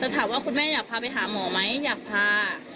ถามว่าคุณแม่อยากพาไปหาหมอไหมอยากพา